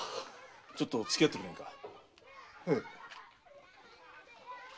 ちょっとつきあってくれんか。